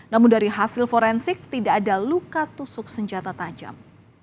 namun dari hasil forensik tidak ada luka tusuk senjata tajam